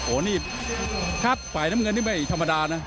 โอ้โหนี่ถ้าฝ่ายน้ำเงินนี่ไม่ธรรมดานะ